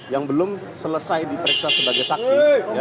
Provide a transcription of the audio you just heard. yang belum selesai diperiksa sebagai saksi